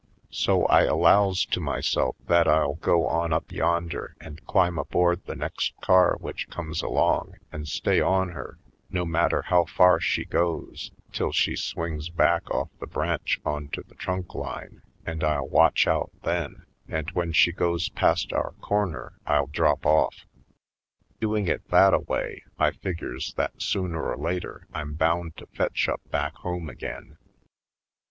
So I allows to myself that I'll go on up yonder and climb aboard the next car which comes along and stay on her, no matter how far she goes, till she swings back off the branch onto the trunk line, and I'll watch out then, and when she goes past our corner I'll drop off. Doing it that a way I figures that sooner or later I'm bound to fetch up back home again.